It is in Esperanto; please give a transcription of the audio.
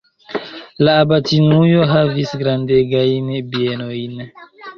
La abatinujo havis grandegajn bienojn.